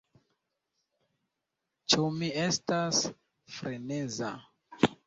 Ĉu mi estas freneza?